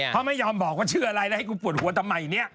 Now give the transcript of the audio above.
เขาไม่ยอมบอกว่าชื่ออะไรแล้วให้กูปวดหัวทำไมเนี่ย